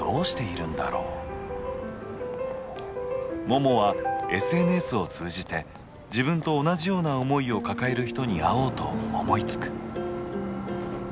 ももはＳＮＳを通じて自分と同じような思いを抱える人に会おうと思いつく。